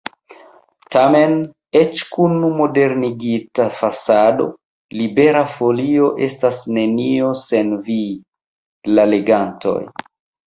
Tamen, eĉ kun modernigita fasado, Libera Folio estas nenio sen vi, la legantoj.